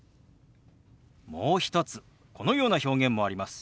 もう一つこのような表現もあります。